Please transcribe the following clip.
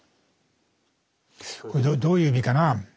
これどういう意味かなあ。